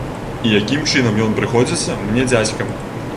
І якім чынам ён прыходзіцца мне дзядзькам?